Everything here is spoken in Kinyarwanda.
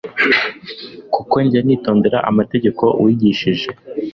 kuko njya nitondera amategeko wigishije."